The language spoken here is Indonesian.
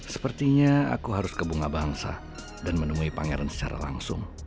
sepertinya aku harus ke bunga bangsa dan menemui pangeran secara langsung